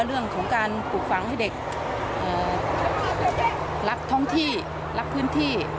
เรื่องของการปลูกฝังให้เด็กรักท้องที่รักพื้นที่